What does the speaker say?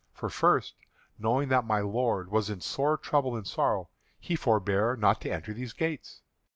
For first, knowing that my lord was in sore trouble and sorrow, he forebore not to enter these gates.